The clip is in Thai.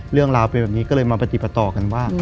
เรื่องราวเป็นแบบนี้ก็เลยมาปฏิปต่อกันว่า